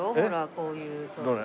こういうちょっと。